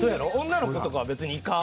女の子とかは別にイカ。